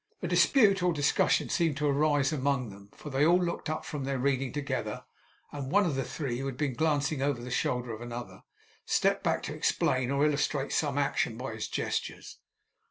A dispute or discussion seemed to arise among them, for they all looked up from their reading together, and one of the three, who had been glancing over the shoulder of another, stepped back to explain or illustrate some action by his gestures.